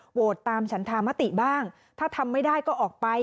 โหวตตามฉันธามติบ้างถ้าทำไม่ได้ก็ออกไป